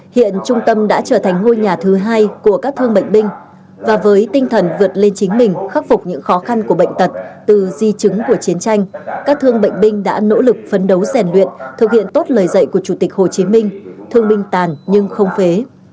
hiện trung tâm đã trở thành ngôi nhà thứ hai của các thương bệnh binh và với tinh thần vượt lên chính mình khắc phục những khó khăn của bệnh tật từ di chứng của chiến tranh các thương bệnh binh đã nỗ lực phấn đấu rèn luyện thực hiện tốt lời dạy của chủ tịch hồ chí minh thương binh tàn nhưng không phế